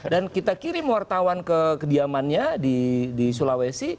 dan kita kirim wartawan ke kediamannya di sulawesi